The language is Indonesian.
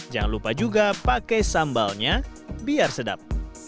jangan lupa juga pakai sambalnya biar sedap